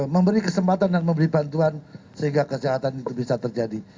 memberi kesempatan dan memberi bantuan sehingga kesehatan itu bisa terjadi